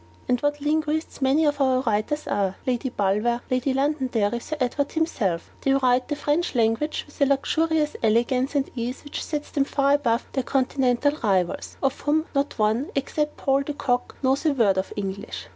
And what linguists many of our writers are! Lady Bulwer, Lady Londonderry, Sir Edward himself they write the French language with a luxurious elegance and ease which sets them far above their continental rivals, of whom not one (except Paul de Kock) knows a word of English.